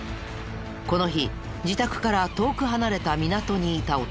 この日自宅から遠く離れた港にいた男。